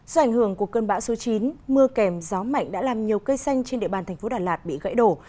do ảnh hưởng của cơn bão số chín mưa kèm gió mạnh đã làm nhiều cây xanh trên địa bàn thành phố đà lạt bị gãy đổ